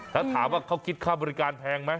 แล้วถามว่าเขาคิดค่าบริการแพงไหม